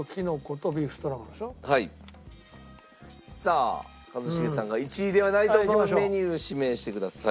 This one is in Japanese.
さあ一茂さんが１位ではないと思うメニュー指名してください。